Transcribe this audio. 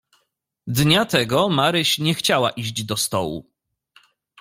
"Dnia tego Maryś nie chciała iść do stołu."